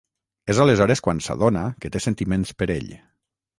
És aleshores quan s'adona que té sentiments per ell.